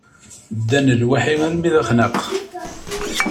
Ddan lwaḥi armi d Axnaq.